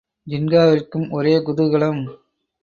ஜின்காவிற்கும் ஒரே குதூகலம்.